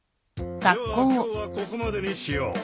では今日はここまでにしよう。